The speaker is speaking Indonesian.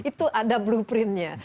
itu ada blueprintnya